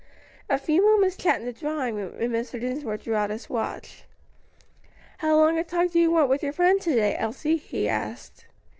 A few moments' chat in the drawing room, and Mr. Dinsmore drew out his watch. "How long a talk do you want with your friend to day, Elsie?" he asked.